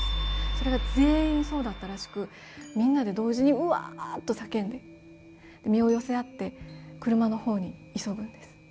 それが全員そうだったらしく、みんなで同時に、うわっと叫んで、身を寄せ合って車のほうに急ぐんです。